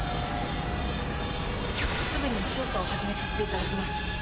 すぐに調査を始めさせていただきます。